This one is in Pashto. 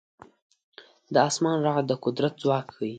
د اسمان رعد د قدرت ځواک ښيي.